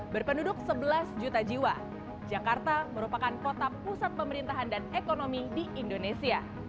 berpenduduk sebelas juta jiwa jakarta merupakan kota pusat pemerintahan dan ekonomi di indonesia